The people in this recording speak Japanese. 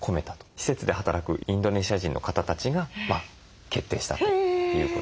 施設で働くインドネシア人の方たちが決定したということでした。